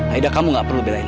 aida kamu gak perlu bedain aku